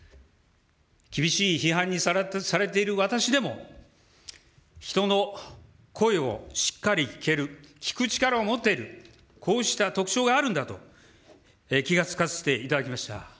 厳しい批判にさらされている私でも、人の声をしっかり聞ける、聞く力を持っている、こうした特徴があるんだと気が付かせていただきました。